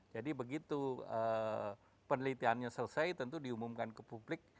jadi begitu penelitiannya selesai tentu diumumkan ke publik